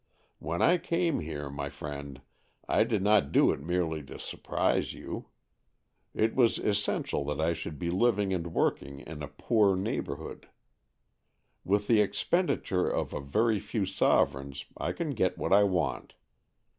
When I came here, my friend, I did not do it merely to surprise you. It was essential that I should be living and working in a poor neighbourhood. With the expenditure of a very few sovereigns, I can get what I want.